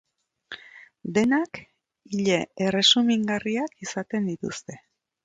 Denak ile erresumingarriak izaten dituzte.